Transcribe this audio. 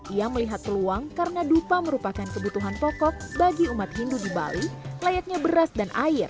ia melihat peluang karena dupa merupakan kebutuhan pokok bagi umat hindu di bali layaknya beras dan air